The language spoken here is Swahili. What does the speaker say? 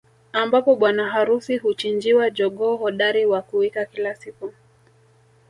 Ambapo bwana harusi huchinjiwa jogoo hodari wa kuwika kila siku